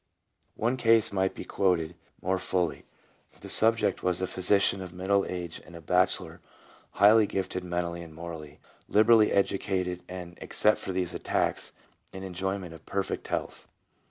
One case might be quoted more fully. The subject was a physician of middle age and a bachelor, highly gifted mentally and morally, liberally educated, and, except for these attacks, in enjoyment of perfect health.